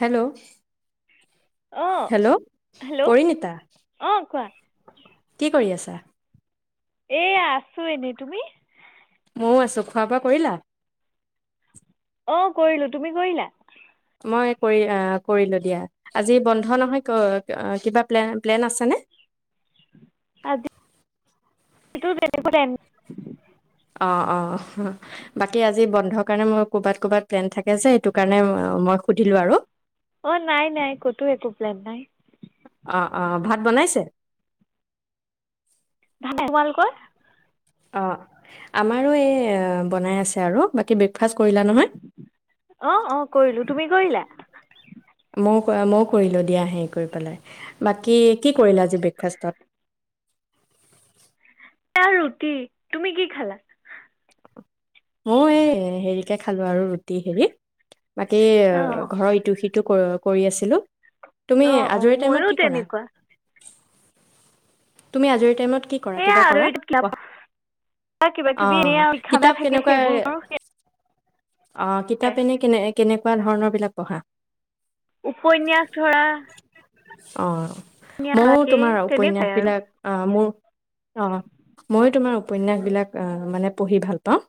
Hello অঁ hello hello Parinita অঁ কোৱা কি কৰি আছা এয়া আছো এনেই তুমি মইো আছো খোৱা বোৱা কৰিলা অ কৰিলো তুমি কৰিলা মই কৰি কৰিলো দিয়া আজি বন্ধ নহয় কিবা প্ প্লেন আছেনে আ তেনে কট অ অ বাকী আজি বন্ধৰ কাৰণে মোৰ কৰবাত কৰবাত প্লেন থাকে ঠিকে আছে সেইটো কাৰণে মই সুধিলো আৰু অ নাই নাই ক'তোও একো প্লোন নাই অ, অ ভাত বনাইছে? ধানে কমাল ক অ আমাৰো এই বনাই আছে আৰু। বাকী ব্ৰেকফাষ্ট কৰিলা নহয় অ অ কৰিলো তুমি কৰিলা? মই কৰা মও কৰিলো দিয়া হেৰি কৰি পেলাই। বাকী কি কৰিলা আজি ব্ৰেকফাষ্টত? ৰুটি তুমি কি খালা মও এই হেৰিকে খালো আৰু ৰুটি হেৰিত বাকী অঁ ঘৰৰ ইটো সিটো কৰ কৰি আছিলোঁ তুমি অঁ অঁ আজৰি টাইমত ময়ো কি কৰা? তেনেকুৱা তুমি আজিৰ টাইমত কি কৰা এয়া কিবা আৰু কৰা এইটো ৱাহ, কাপা কিবা কিবি অঁ এয়া খানা কিতাপ থাকে সেইবোৰ [unintelligible] অ' সেয়াই কিতাপ এনে কেনে কেনেকুৱা ধৰণৰ বিলাক পঢ়া উপন্যাস ধৰা অ' মইও বাকী তোমাৰ উপন্যাস তেনেকুৱাই আৰু বিলাক আহ মোৰ অ' ময়ো তোমাৰ উপন্যাস বিলাক আহ মানে পঢ়ি ভাল পাওঁ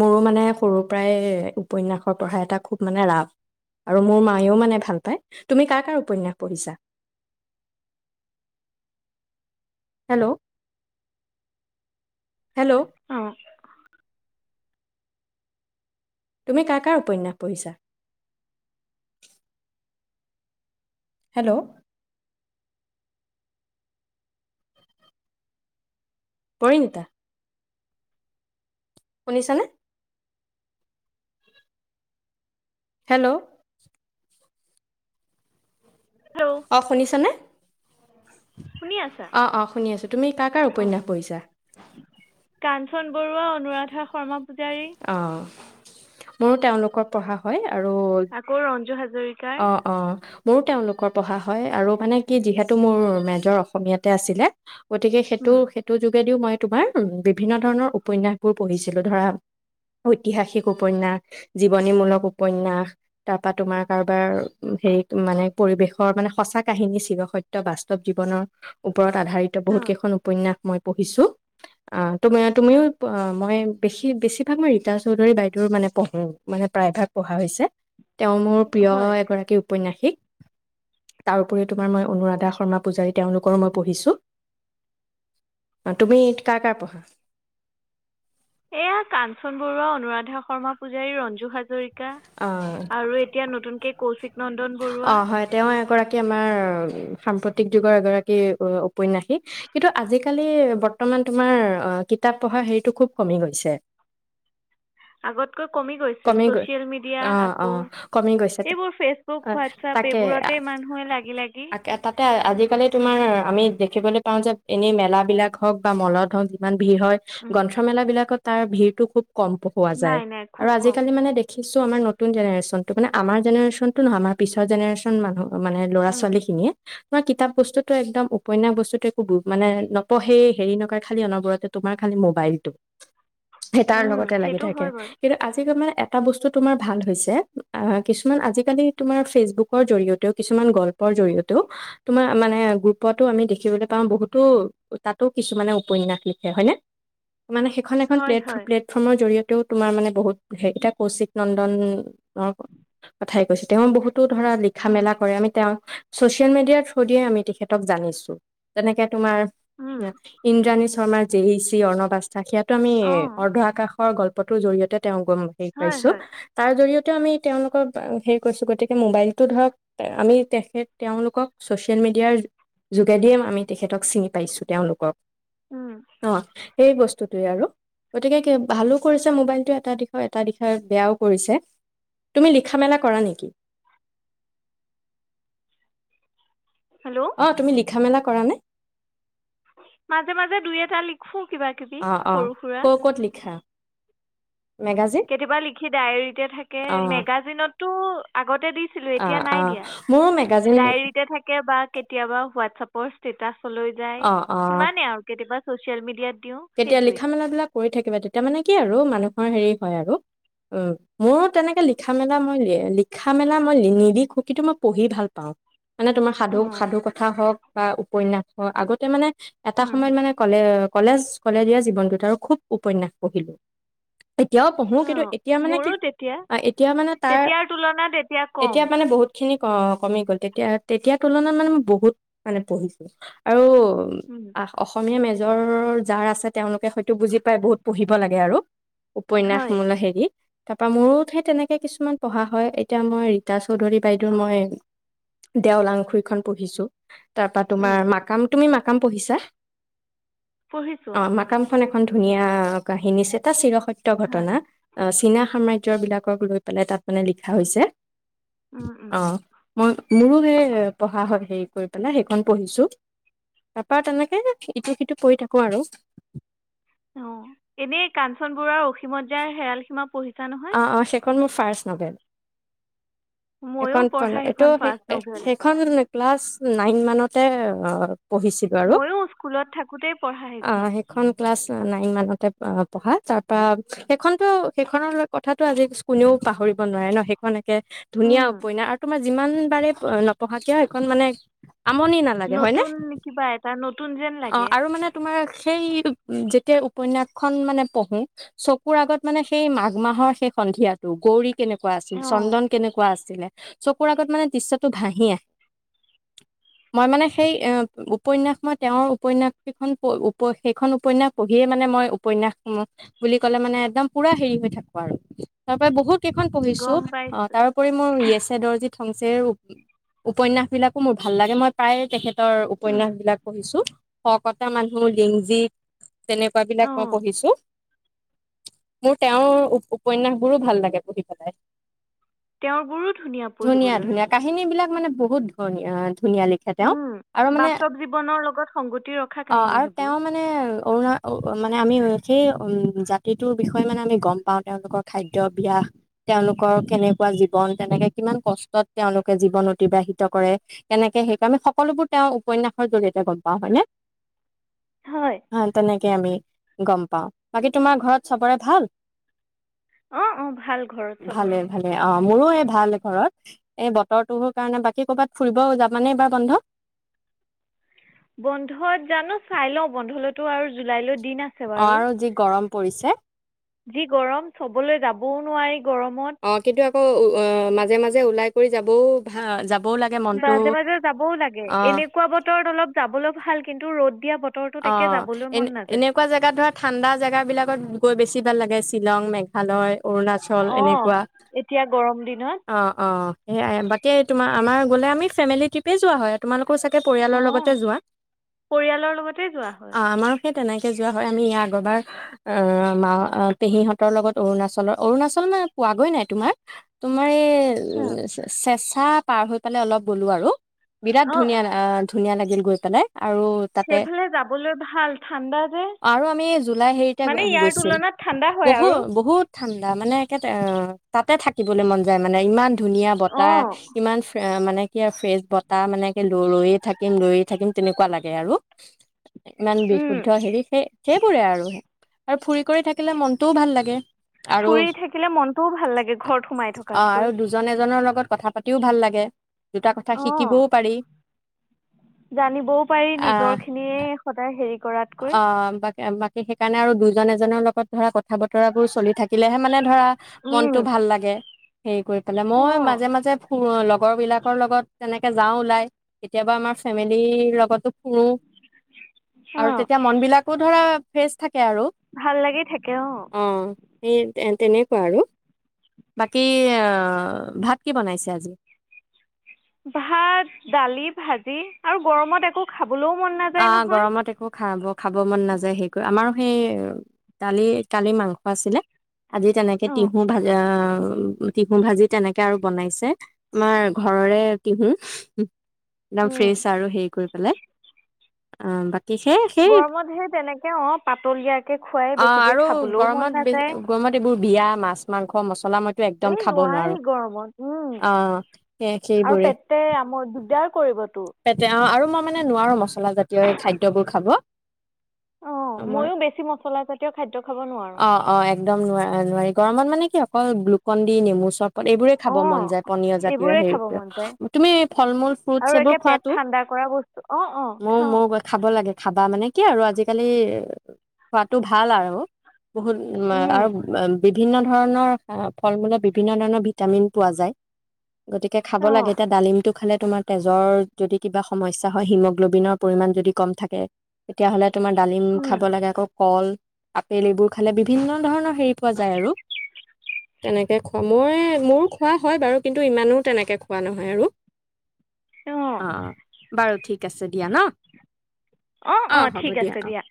মোৰো মানে সৰুৰ পৰাই উপন্যাসৰ পঢ়া এটা খুব মানে ৰাপ আৰু মোৰ মায়েও মানে ভাল পায় তুমি কাৰ কাৰ উপন্যাস পঢ়িছা হেল্ল' হেল্ল' অঁ তুমি কাৰ কাৰ উপন্যাস পঢ়িছা হেল্ল' পইন্তা, শুনিছানে হেল্ল' হেল্ল' অ' শুনিছনে শুনি আছা অঁ অঁ শুনি আছোঁ তুমি কাৰ কাৰ উপন্যাস পঢ়িছা কান চন বৰুৱা অনুৰাধা শৰ্মা পূজাৰী অঁ মোৰো তেওঁলোকৰ পঢ়া হয়। আৰু আকৌ ৰঞ্জু হাজৰিকাৰ অ' অ' মোৰো তেওঁলোকৰ পঢ়া হয় আৰু মানে কি যিহেতু মোৰ মেজৰ অসমীয়াতে আছিলে গতিকে সেইটো হুম সেইটো য দিও মই তোমাৰ বিভিন্ন ধৰণৰ উপন্যাস, বোৰ পঢ়িছিলো ধৰা ঐতিহাসিক উপন্যাস জীৱনীমূলক উপন্যাস তাৰ পৰা তোমাৰ কাৰোবাৰ হেৰি মানে পৰিৱেশৰ মানে সঁচা কাহিনী চিৰসত্য বাস্তৱ জীৱনৰ। ওপৰত আধাৰিত বহুত কেইখন উপন্যাস মই পঢ়িছো। অ মই বেছি বেছিভাগ মই ৰীতা চৌধুৰী বাইদেউ মানে পঢ়ো মানে প্ৰায়ভাগ পঢ়া হৈছে তেওঁ মোৰ প্ৰিয় হয় এগৰাকী ঔপন্যাসিক তাৰোপৰি তোমাৰ মই অনুৰাধা শৰ্মা পূজাৰী তেওঁলোকৰো মই পঢ়িছো তুমি কাৰ কাৰ পঢ়া এয়া কাঞ্চন বৰুৱা অনুৰাধক শৰ্মা পূজাৰী ৰঞ্জু হাজৰিকা অ', আৰু এতিয়া নতুনকে কৌশিক নন্দন অ বৰুৱা হয় তেওঁ এগৰাকী আমাৰ সামপ্তিক যুগৰ এগৰাকী উপন্যাসিক কিন্তু আজিকালি বৰ্তমান তোমাৰ কিতাপ পঢ়া হেৰিটো খুব কমি গৈছে আগত কমি গৈ অ অ আকৌ কমি গৈছে এইবোৰ ফেচবুক অ হোৱাটছআপ তাকে এইবোৰতে মানুহে লাগি লাগি তে তাতে আজিকালি তোমাৰ আমি দেখিবলৈ পাওঁ যে এনেই মেলা বিলাক হওঁক বা মলত হওঁক যিমান ভিৰ হয় গ্ৰন্থমেলা বিলাকত তাৰ ভিৰ তটো খুব কম পঢ়োৱা যায় নাই নাই আৰু খুব কম আজিকালি মানে দেখি কিছু আমাৰ নতুন জেনেৰেশনটো মান আমাৰ জেনেৰেশনটো নহ আাৰ পিছৰ জেনেৰেচন মানুহ মানে ল'ৰা উম ছোৱালী খিনিয়ে তোমাৰ কিতাপ বস্তুতো একদম উপন্যাস বস্তুটো একো মানে নপঢ়েই। হেৰি নকৰে খালি অনবৰতে তোমাৰ খালি মোবাইলটো সেই তাৰ উম লগতে লাগি সেইটো থাকে হয় বাৰু মানে এটা বস্তু তোমাৰ ভাল হৈছে কিছুমান আজিকালি তোমাৰ ফেচবুকৰ জৰিয়তেও কিছুমান গল্পৰ জৰি়য়তেও তোমাৰ মানে গ্ৰুপতো আমি দেখিবলৈ পাওঁ বহুতো তাতো কিছুমানে উপন্যাস লিখে হয়নে মানে সেইখন এখন হয় হয় প্লেটফৰ্মৰ জৰিয়তে তু তোমাৰ মানে বহুত হে এতিয়া কৌশিক নন্দনৰ কথাই কৈছে তেওঁ বহুত তো ধৰা লিখা অঁ মেলা কৰে আমি তেওঁ চচিয়েল মিডিয়াৰ থ্ৰু দিয়ে আমি তেখেতক জানিছো যেনেকে তোমাৰ ইন্দ্ৰাণী শৰ্মাৰ জে চি অৰ্ণবা তাখিয়াতো আমি অৰ্ধ আকাশ গল্পটোৰ জৰিয়তে তেওঁ গম শেষ হয় পাইছো হয় তাৰ জৰিয়তে আমি তেওঁলোকক হেৰি কৰিছো গতিকে মোবাইলটো ধৰক আমি তেখেত তেওঁলোকক ছচিয়েল মিডিয়াৰ যোগেদিয়ে আমি তেখেতক চিনি পাইছোঁ তেওঁলোকক উম অহ সেই বস্তুটোৱে আৰু গতিকে ভালো কৰিছে মোবাইলটো এটা দিশত এটা দিশাই বেয়াও কৰিছে তুমি লিখা মেলা কৰা নেকি হেল্ল' অ তুমি লি লিখা মেলা কৰা নে মাজে মাজে দুই এটা লিখো অ অ ক' ক'ত লিখা মেগাজিন কেতিয়াবা লিখি ডায়েৰীতে থাকে অ মেগাজিনতো আগত তেতিয়া দিছিলোঁ অ এতিয়া অ নাই দিয়া মোৰো মেগাজিন ডায়েৰিতে থাকে বা কেতিয়াবা হুৱাট চপ ফৰইস্টেটাচ লৈ যায় অ সিমানে আৰু কেতিয়াবা চচিয়েল মিডিয়াত দিওঁ কেতিয়া সেইটোৱেই লিখা মেলা বিলাক কৰি থাকিবা তেতিয়া মানে কি আৰু মানুহৰ হেৰি হয় আৰু উ মোৰো তেনেকে লিখা মেলা মই লিখা মেলা মই নিলিখো মই পঢ়ি ভাল পাওঁ মানে তোমাৰ সাধু অঁ সাধু কথা হওক বা উপন্যাসৰ আগতে মানে এটা হুম, সময়ত হুম, মানে ক'লে অ কলেজ কলেজিয়া জীৱনটোত আৰু খুব উপন্যাস পঢ়িলোঁ এতিয়াও পঢ়ো কিন্তু অঁ এতিয়া মানে কি মোৰো তেতিয়া এতিয়া মানে তাৰ তেতিয়াৰ তুলনাত কম এতিয়া মানে বহুত খিনি অ কমি গ'ল তেতিয়া তেতিয়া তুলনাত মানে ম বহুত মানে পঢ়িছো আৰু উম, অ অসমীয়া মেজ নিজৰ যাৰ আছে তেওঁলোকে হয়তো বুজি পাই বহুত পঢ়িব লাগে আৰু উপন্যাস হয় মূল হেৰি তাৰ পৰাা মোৰতহে তেনেকে কিছুমান পঢ়া হয় এতিয়া মই ৰীতা চৌধুৰী বাইদেউ মই দেওল আংখুৰখন পঢ়িছো তাৰ পৰাা তোমাৰ মাকাম তুমি মাক কাম পঢ়িছা পঢ়িছোঁ অ ম কাম খনে এক এখন ধুনীয়া কাহিনীছে এটা চিৰস সত্য হয় ঘটনা চীনা সাম্ৰ্য ৰ বিলাকক লৈ পেলাই তাত মানে লিখা হৈছে উম, উম, অ মই মোৰো সেই এ পঢ়া হয় হেৰি কৰি পেলাই সেইখন পঢ়িছো তাৰ পৰাা তেনেকে ইটো সিটো কৰি থাকো কোৱা আৰু অ এনেই কাঞ্চন বৰুৱাৰ অসীমত যাৰ হেৰাল সীমা পঢ়িছো ছা নহয় [unintelligible] ফাৰ্ষ্ট নভেল ময়ো এখন প পঢ়া এইটো সেইখন সেই ফাৰ্ষ্ট নভেল সেইখন ন [unintelligible] ক্লাছ নাইন মানতে অ'। পঢ়িছিলোঁ আৰু ময়ো স্কুলত থাকোঁতেই পঢ়া আ সেইখন ক্লাছ নাইন ইমানতে পঢ়া তাৰপৰা খেইখনটো খেইখৰনলগত কথাটো আজি কোনেও পাহৰিব নোৱাৰে ন, সেইখন একে ধুনীয়া উম উপন্যাস আৰু তোমাৰ যিমান বাৰে নপঢ়া কিয় সেইখন মানে আমনি নালাগে হয়নে নতুন কিবা এটা নতুন যেন লাগে অ' আৰু মানে তোমাৰ সেইটো। যেতিয়া উপন্যাসখন মানে পঢ়ো চকুৰ আগত মানে সেই মা। মাহৰ সে সন্ধিয়াটো গৌৰীক। কেনেকুৱা আছিল অঁ চন্দন কেনেকুৱা আছিলে। চকুৰ আগত মানে দৃশ্যটো ভাহি আহে, মই মানে সেই উপনয়াস মই- তেওঁৰ উপনয়াস কেইখন, উপ সেইখন উপনয়াস পঢ়িয়ে মানে, মই উপন্যাস বুলি কলে। মানে একদম পুৰা হেৰি হৈ থাকো। বাৰু তাৰ পৰাই বহুত। কেইখন পঢ়িছো গম অ' পাইছোঁ তাৰ উপৰি মোৰ ই এছ এডৰজিত। থংচেৰ উপন্যাসবিলাকো মোৰ ভাল লাগে মই প্ৰায় তেখেত। তৰ উপন্যাসবিলাক পঢ়িছো। শকত মানুহ লিংজিত [unintelligible] তেনেকুৱা বিলাক মই অঁ পঢ়িছো। মোৰ তেওঁৰ উপ। উপনয়াসবোৰো ভাল লাগে, পঢ়ি পেলাই। তেওঁৰবোৰো ধুনীয়া [unintelligible] পঢ়িবলৈ ধুনীয়া কাহিনী বিলাক মানে বহুত ধুনীয়া [inaudible] ধুনীয়া লিখে তেওঁ, উম আৰু মানে- বাস্তৱ জীৱনৰ লগত সংগতি ৰখা অ, ' কাহিনী আৰু সেইবোৰ তেওঁ মানে অৰুণা- মানে আমি সেই, জাতিটোৰ বিষয়ে মানে আমি গ'ম পাওঁ তেওঁলোকৰ খাদ্য ব্য্াস তেওঁলোকৰ কেনেকুৱা জীৱন [unintelligible] তেনেকে কিমান কষ্টত তেওঁলোকে জীৱন অতিবাহিত কৰে। কেনেকে সেইটো আমি সকলোবোৰ তেওঁৰ উপন্যাসৰ জৰিয়তে গম পাওঁ, হয়নে। হয় হ তেনেকে আমি গম পাও। বাকী তোমাৰ ঘৰত চবৰে ভাল। অ, ' অ, ' ভাল ঘৰত ভালে চবৰে। ভালে অ মোৰো এই ভাল ঘৰত, এই বতৰটোোৰ কাৰণে, বাকী কৰ'বাত ফুৰিব যাবানে এইবাৰ বন্ধ। বন্ধত জানো চাই ল, বন্ধলৈতো আৰু জুলাই ল অ', আৰু যি গৰম। পৰিছে। যি গৰম চবলৈ যাবও নোৱাৰি। গৰমত অ' কিন্তু আকৌ ও অ' মাজে মাজে। যে ওলাই কৰি যাবও ভা যাব মাজে মাজে যাবও লাগে এনেকুৱা বতৰত অলপ। চাবলৈ ভাল কিন্তু ৰ'দ দিয়া বত অ এনে এনেকুৱা জেগাত ধৰা ঠাণ্ডা জেগা বিলাকত গৈ বেছি কিবা লাগে শ্বিলং মেঘালয় অৰুণাচল অঁ এনেকুৱা এতিয়া গৰম দিনত অঁ অঁ সেয়াই বাকী তোমাৰ আমাৰ গ'লে আমি। ফেমিলি ট্ৰিপেই যোৱা হয় তোমালোক আকৌ চাগে পৰিয়ালৰ লগতে যোৱা। তে যোৱা হয় অ আমাৰো সেই তেনেকে যোৱা হয় আমি এই আগৰবাৰ অ মা পেহীহঁতৰ লগত অৰুণাচলৰ অৰুণাচল মানে পোৱাগৈ নাই তোমাৰ তোমাৰ উ চেচা [inaudible] পাৰ হৈ পালে অলপ গ'লো আৰু বিৰাট অ ধুনীয়া অ ধুনীয়া লাগিল গৈ অ্ [unintelligible] আৰু তাতে সেইফালে যাবলৈ ভাল ঠাণ্ডা যে আৰু আমি জুলাই হেৰিতে মানে ইয়াৰ গৈছিল তুলনাত ঠাণ্ডা হয় বহু আৰু বহুত ঠাণ্ডা মানে একে অ তাতে থাকিবলৈ মন যায় মানে ইমান। ধুনীয়া বতাহ ইমান ফ্ৰে এ মানে কি আৰু ফ্ৰেচ বতাহ মানে ৰৈয়ে থাকিম ৰৈয়ে থাকিম তেনেকুৱা লাগে আৰু ইমান উম বিশুদ্ধ হেৰি সেই সেইবোৰে আৰু আৰু ফুৰি কৰি থাকিলে মনটোও ভাল লাগে আৰু ফুৰি থাকিলে মনটোও ভাল লাগে ঘৰত সোমাই অ আৰু থকাতকৈ দুজন এজনৰ লগত কথা পাতিও ভাল লাগে দুটা কথা শিকিবও পাৰি জানিবও পাৰি নিজৰ খিনি এই সদায় হেৰি কৰাতকৈ অ বাক এ বাকী সেইকাৰণে আৰু দুজন এজনৰ লগত ধৰা কথা বতৰা বোৰ চলি থাকিলেহে মানে। ধৰা উম মনটো ভাল লাগে হেৰি কৰি পেলাই অ মই মাজে মাজে ফুৰোঁ অলপ লগৰ বিলাকৰ লগত তেনেকে যাওঁ ওলাই কেতিয়াবা আমাৰ ফেমিলিৰ লগতো ফুৰো আৰু তেতিয়া মন বিলাকো ধৰা ফেচ থাক সেয়াই আৰু ভাল লাগি থাকে অ তেনেকুৱা আৰু, বাকী আহ ভাত কি বনাইছে আজি। ভাত, দালি ভাজি আৰু গৰমত একো খাব অ গৰমত একো খাব খাব মন নাযায় হেই ক। আমাৰো সেই কালি কালি মাংস আছিলে। আজি তেনেকে টিঁহু ভালে অ ৰুটি পু ভাজি তেনেকে আৰু বনাইছে। আমাৰ ঘৰৰে টিহু একদম উম ফ্ৰেছ আৰু হেৰি কৰি পেলাই অ ব গৰমত হে তেনেকে, অ পাতলীয়াকে খুৱাই অ' বেছিকে আৰু খাবলৈও গৰমত মন নাযায়। গৰমত এইবোৰ বিয়া [unintelligible] একদম এ খাব নোৱাৰো নোৱাৰি গৰমত উম অ' সেই আৰু সেইবোৰে পেটে আমৰ দিগদাৰ কৰিবতো। পেট অ আৰু মই মানে নোৱাৰো মচলা জাতীয় এই খাদ্যবোৰ খাব, অঁ মই ময়ো বেছি মছলাজাতীয় খাদ্য খাব নোৱাৰোঁ অ অ একদম নোৱা নোৱাৰি গৰমত মানে, অকল গ্লুকন দি নেমু চৰব- এইবোৰে খাব অঁ মন যায়, পনিয় জাতীয় এইবোৰে খাব হেইবোৰ, মন যায় তুমি ফল মূল ফ্ৰুটছ আৰু এইবোৰ একে পেট ঠাণ্ডা কৰা বস্তু, অ অ মৌ খাও। মৌ খাব লাগে খাবা মানে কি আৰু আজিকালি খোৱাটো ভাল আৰু বহুত আৰু অঁ বিভিন্ন ধৰণৰ ফল মূলত বিভিন্ন ধৰণৰ ভিটামিন পোৱা যায়। গতিকে খাব লাগে, অঁ এতিয়া ডালিমটো খালে- তোমাৰ তেজৰ- যদি কিবা সমস্যা হয়, হিমগ্ল'বিনৰ পৰিমাণ যদি কম থাকে তেতিয়াহ'লে- তোমাৰ ডালিম খাব লাগে আকৌ, কল, আপেল এইবোৰ খালে বিভিন্ন ধৰণৰ হেৰি পোৱা যায় আৰু তেনেকে খোৱা মই, মোৰো খোৱা হয় বাৰু কিন্তু ইমানো তেনেকে খোৱা নহয় আৰু। অঁ অ বাৰু - ঠিক আছে দিয়া ন- অ অ ঠিক আছে দিয়া।